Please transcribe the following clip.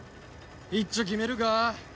いっちょ決めるか？